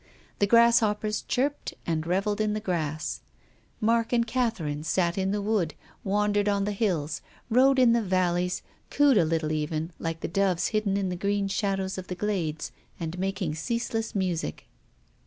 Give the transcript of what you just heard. The grasshoppers chirped and rev elled in the grass. Mark and Catherine sat in the wood, wandered on the hills, rode in the valleys, cooed a little even, like the doves hidden in the green shadows of the glades, and making ceaseless music.